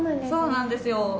そうなんですよ。